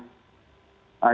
jangan kemudian sekarang